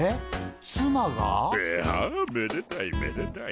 いやめでたいめでたい。